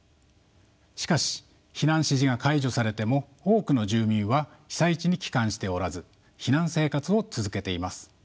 しかし避難指示が解除されても多くの住民は被災地に帰還しておらず避難生活を続けています。